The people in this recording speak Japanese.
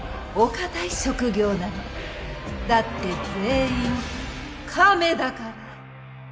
だって全員亀だから。